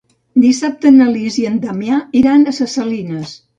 Dissabte na Lis i en Damià iran a Ses Salines.